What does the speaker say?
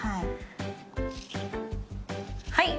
はい。